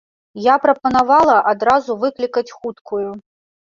Я прапанавала адразу выклікаць хуткую.